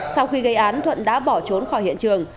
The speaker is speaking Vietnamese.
sau khi gây án thuận đã bỏ trốn khỏi hiện trường